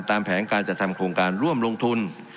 แผนการจัดทำโครงการร่วมลงทุน